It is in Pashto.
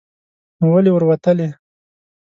نو ولې ور وتلې